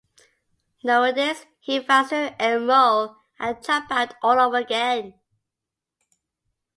Knowing this, he vows to enroll, and drop out all over again.